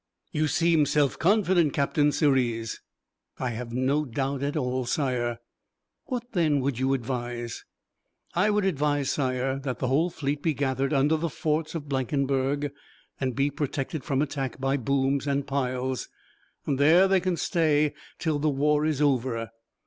"You seem self confident, Captain Sirius." "I have no doubt at all, Sire." "What then would you advise?" "I would advise, Sire, that the whole fleet be gathered under the forts of Blankenberg and be protected from attack by booms and piles. There they can stay till the war is over.